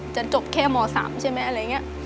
จะจบแค่ม๓ใช่ไหมอะไรอย่างนี้